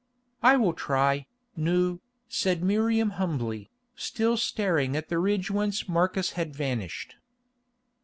"I will try, Nou," said Miriam humbly, still staring at the ridge whence Marcus had vanished.